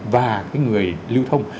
và cái người lưu thông